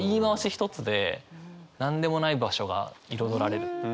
一つでなんでもない場所が彩られる。